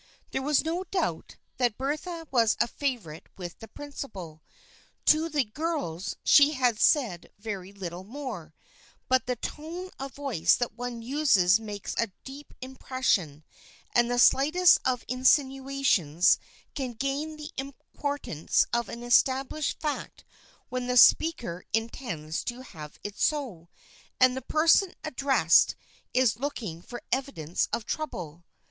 There was no doubt that Bertha was a favorite with the principal. To the girls she had said very little more, but the tone of voice that one uses makes a deep impression, and the slightest of insinuations can gain the impor tance of an established fact when the speaker in tends to have it so, and the person addressed is looking for evidence of trouble.